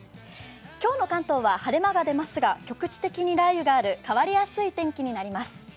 今日の関東は晴れ間が出ますが、局地的に雷雨がある変わりやすい天気になります。